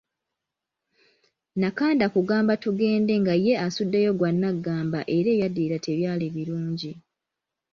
Nakanda kugamba tugende nga ye asuddeyo gwa nagamba era ebyaddirira tebyali birungi.